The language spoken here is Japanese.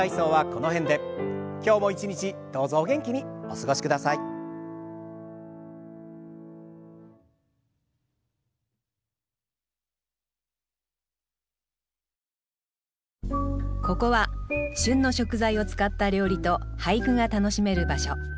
ここは旬の食材を使った料理と俳句が楽しめる場所。